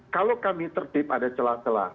kalau kami tertip ada celah celah